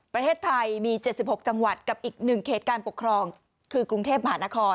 ประเทศไทยมี๗๖จังหวัดกับอีก๑เขตการปกครองคือกรุงเทพมหานคร